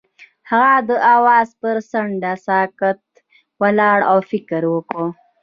هغه د اواز پر څنډه ساکت ولاړ او فکر وکړ.